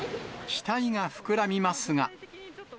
期待が膨らみますが。